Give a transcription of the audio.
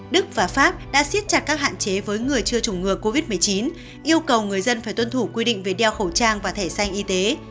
đức và pháp đã xiết chặt các hạn chế với người chưa chủng ngừa covid một mươi chín yêu cầu người dân phải tuân thủ quy định về đeo khẩu trang và thẻ xanh y tế